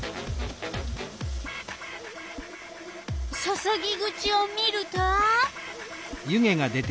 注ぎ口を見ると。